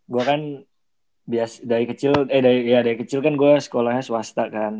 gue kan dari kecil eh dari kecil kan gue sekolahnya swasta kan